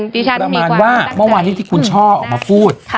ดิฉันมีความรักใจประมาณว่าเมื่อวานนี้ที่คุณช่อออกมาพูด